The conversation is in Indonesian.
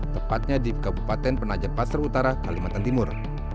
tepatnya di kabupaten penajam pasar utara kalimantan timur